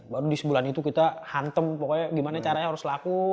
baru di sebulan itu kita hantem pokoknya gimana caranya harus laku